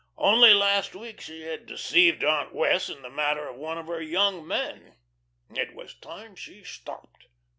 Only last week she had deceived Aunt Wess' in the matter of one of her "young men." It was time she stopped.